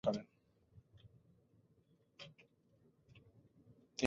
তিনি এই শহরেই একজন সাধারণ মানের ছাত্র হিসেবে তার বিদ্যালয়ের পড়াশোনা শেষ করেন।